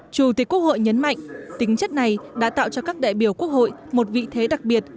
chủ tịch quốc hội nhấn mạnh tính chất này đã tạo cho các đại biểu quốc hội một vị thế đặc biệt